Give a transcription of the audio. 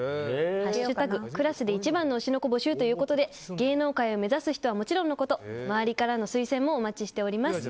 「＃クラスで一番の推しの子募集」ということで芸能界を目指す人はもちろんのこと周りからの推薦もお待ちしております。